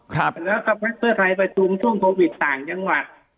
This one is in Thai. ครับแล้วเขาไปไปชุมช่วงส่างจังหวัด